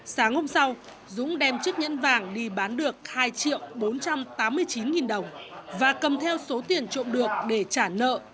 sáng hôm sau dũng đem chiếc nhẫn vàng đi bán được hai triệu bốn trăm tám mươi chín nghìn đồng và cầm theo số tiền trộm được để trả nợ